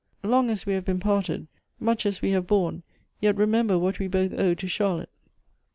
Long as we have been parted, much as we have borne, yet remember what we both owe to Charlotte.